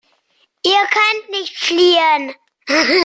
Ihr könnt nicht fliehen.